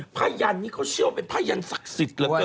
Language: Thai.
พระยันทร์นี้เขาเชื่อว่าเป็นพระยันทรักษิตร์เหลือเกิน